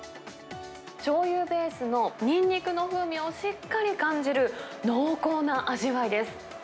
しょうゆベースのニンニクの風味をしっかり感じる濃厚な味わいです。